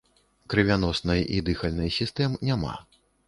Крывяноснай і дыхальнай сістэм няма.